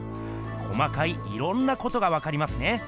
細かいいろんなことがわかりますね。